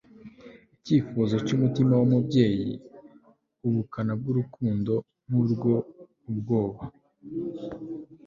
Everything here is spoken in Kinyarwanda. Icyifuzo cyumutima wumubyeyi ubukana bwurukundo nkurwo ubwoba